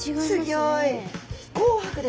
すギョい。